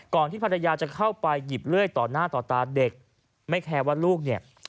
ที่ภรรยาจะเข้าไปหยิบเลื่อยต่อหน้าต่อตาเด็กไม่แคร์ว่าลูกเนี่ย